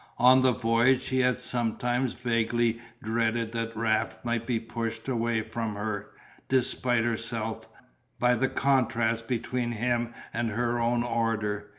On the voyage she had sometimes vaguely dreaded that Raft might be pushed away from her, despite herself, by the contrast between him and her own order.